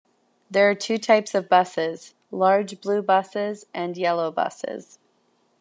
There are two types of buses, large blue buses and yellow buses.